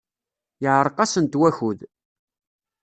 Yeɛreq-asent wakud.